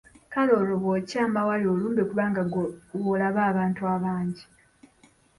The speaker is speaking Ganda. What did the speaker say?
Kale olwo bw’okyama awali olumbe kubanga ggwe w’olaba abantu abangi?